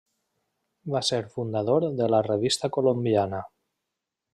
Va ser fundador de la Revista Colombiana.